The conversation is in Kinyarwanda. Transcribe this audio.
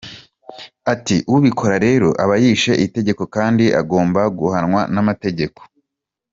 Ati “Ubikora rero aba yishe itegeko kandi agomba guhanwa n’amategeko.